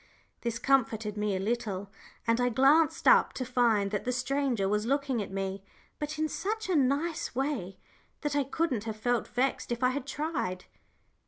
This comforted me a little, and I glanced up, to find that the stranger was looking at me, but in such a nice way that I couldn't have felt vexed if I had tried.